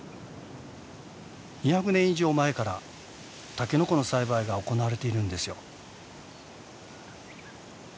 ２００年以上前からタケノコの栽培が行われているんですよ。